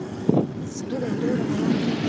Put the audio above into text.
それでいろいろ悩んで。